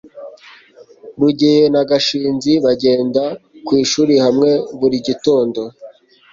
rugeyo na gashinzi bagenda ku ishuri hamwe buri gitondo